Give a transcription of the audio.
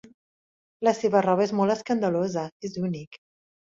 La seva roba és molt escandalosa. És únic.